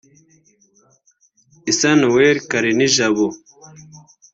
Issa Noël Kalinijabo